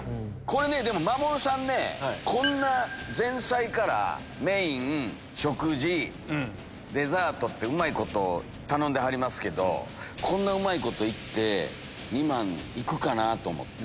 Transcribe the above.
でも真守さんね前菜からメイン食事デザートってうまいこと頼んではりますけどこんなうまいこと行って２万行くかな？と思って。